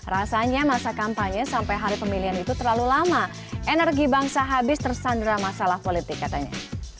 rasanya masa kampanye sampai hari pemilihan itu terlalu lama energi bangsa habis tersandera masalah politik katanya